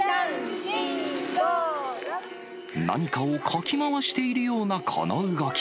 何かをかき回しているようなこの動き。